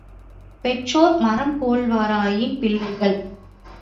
பெற்றோர் மரம்போல்வராயின், பிள்ளைகள்